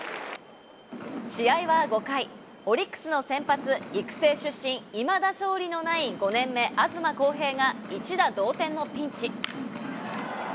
試合は５回、オリックスの先発、育成出身、いまだ勝利のない５年目、東晃平が一打同点のピンチ。